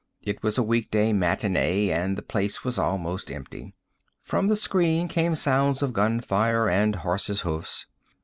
It was a weekday matinee and the place was almost empty. From the screen came sounds of gunfire and horse's hoofs.